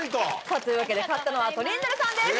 さあというわけで勝ったのはトリンドルさんです！